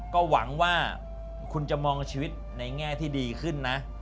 ก็หวังว่าคุณจะมองชีวิตในแง่ที่ดีขึ้นนะ